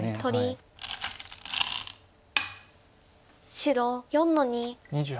白４の二。